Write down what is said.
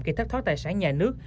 khi thấp thoát tài sản nhà nước